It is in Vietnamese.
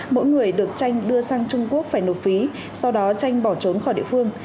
mỗi người được tranh đưa sang trung quốc phải nộp phí sau đó tranh bỏ trốn khỏi địa phương